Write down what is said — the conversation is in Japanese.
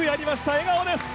笑顔です！